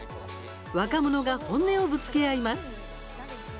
若者が本音をぶつけ合います。